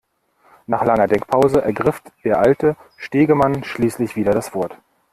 Nach langer Denkpause ergriff der alte Stegemann schließlich wieder das Wort.